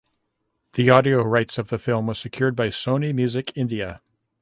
The audio rights of the film was secured by Sony Music India.